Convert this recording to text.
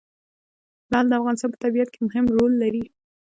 لعل د افغانستان په طبیعت کې مهم رول لري.